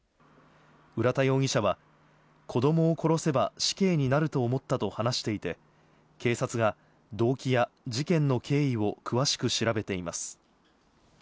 浦田容疑者は子供を殺せば死刑になると思ったと話していて、警察が動機や事件の経緯を詳しく調べています。